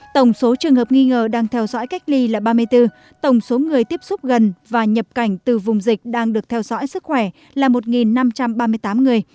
tổng số trường hợp nghi ngờ đang theo dõi cách ly là ba mươi bốn tổng số người tiếp xúc gần và nhập cảnh từ vùng dịch đang được theo dõi sức khỏe là một năm trăm ba mươi tám người